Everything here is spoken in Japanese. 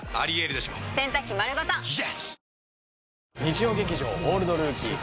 日曜劇場「オールドルーキー」